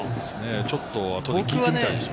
ちょっと後で聞いてみたいです。